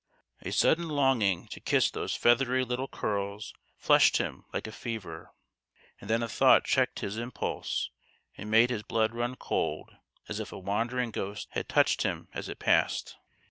A sudden longing to kiss those feathery little curls flushed him like a fever ; arid then a thought checked his impulse arid made his blood run cold as if a wandering ghost had touched him as it passed.